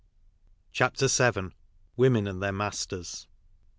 CHAPTER VII. WOMEN AND THEIR MASTERS.